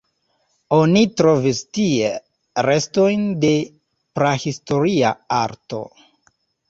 Oni trovis tie restojn de prahistoria arto.